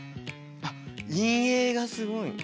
あっ陰影がすごい。